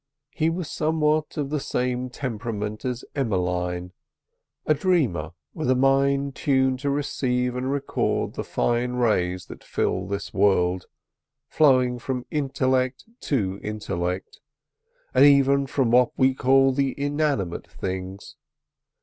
He was somewhat of the same temperament as Emmeline—a dreamer, with a mind tuned to receive and record the fine rays that fill this world flowing from intellect to intellect, and even from what we call inanimate things.